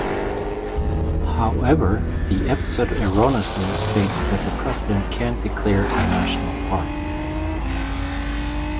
However, the episode erroneously states that the President can declare a National Park.